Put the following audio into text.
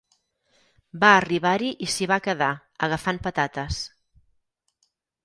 Va arribar-hi i s'hi va quedar, agafant patates.